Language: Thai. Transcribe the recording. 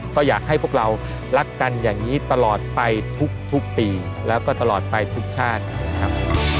ก็อยากให้พวกเรารักกันอย่างนี้ตลอดไปทุกปีแล้วก็ตลอดไปทุกชาตินะครับ